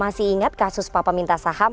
masih ingat kasus papa minta saham